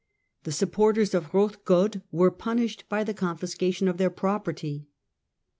The supporters of Hrodgaud were punished by the confiscation of their property.